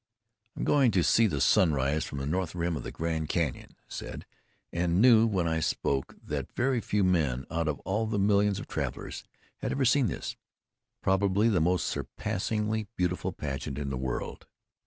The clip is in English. "I'm going to see the sunrise from the north rim of the Grand Canon," I said, and knew when I spoke that very few men, out of all the millions of travelers, had ever seen this, probably the most surpassingly beautiful pageant in the world.